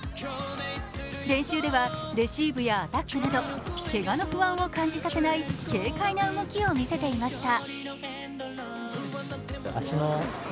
練習ではレシーブやアタックなどけがの不安を感じさせない軽快な動きを見せていました。